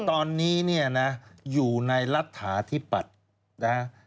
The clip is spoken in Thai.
ตอนนี้อยู่ในรัฐฐาที่ปรัชน์นะ